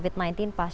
terima kasih bunker